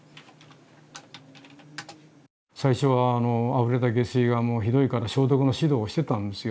最初はあふれた下水がひどいから消毒の指導をしてたんですよ。